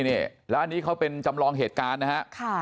นี่แล้วอันนี้เขาเป็นจำลองเหตุการณ์นะฮะ